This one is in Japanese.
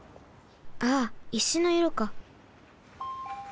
ああ石のいろか。